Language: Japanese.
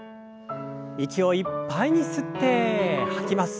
息をいっぱいに吸って吐きます。